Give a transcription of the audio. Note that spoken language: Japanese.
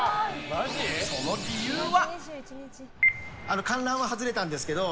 その理由は。